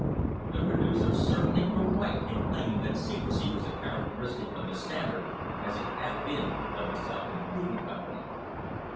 The producers cer tainly were right in claiming that secrecy was a characteristic of the Standard as it had been of the South Improvement Company.